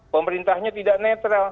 pemerintahnya tidak netral